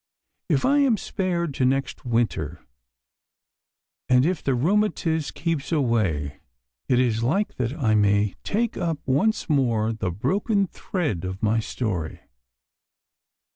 If I am spared to next winter, and if the rheumatiz keeps away, it is like that I may take up once more the broken thread of my story.